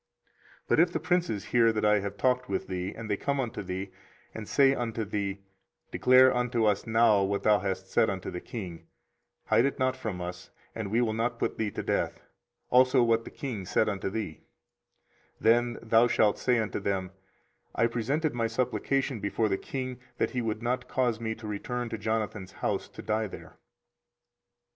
24:038:025 But if the princes hear that I have talked with thee, and they come unto thee, and say unto thee, Declare unto us now what thou hast said unto the king, hide it not from us, and we will not put thee to death; also what the king said unto thee: 24:038:026 Then thou shalt say unto them, I presented my supplication before the king, that he would not cause me to return to Jonathan's house, to die there.